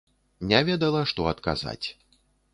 Не ведала, што адказаць.